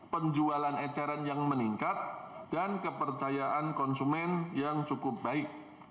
penjualan eceran yang meningkat dan kepercayaan konsumen yang cukup baik